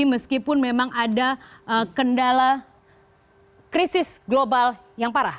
meskipun memang ada kendala krisis global yang parah